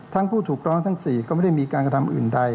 ผู้ถูกร้องทั้ง๔ก็ไม่ได้มีการกระทำอื่นใด